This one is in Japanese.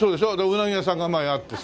ウナギ屋さんが前あってさ。